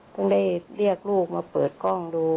ได้เรียกลูกมาเปิดกล้องดู